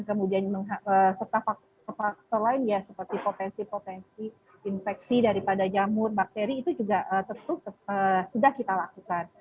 kemudian serta faktor lain ya seperti potensi potensi infeksi daripada jamur bakteri itu juga tentu sudah kita lakukan